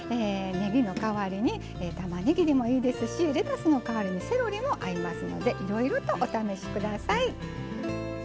ねぎの代わりにたまねぎでもいいですしレタスの代わりにセロリも合いますのでいろいろとお試しください。